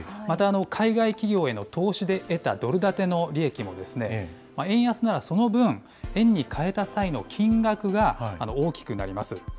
また海外企業への投資で得たドル建ての利益も、円安ならその分、円に換えた際の金額が、大きくなります。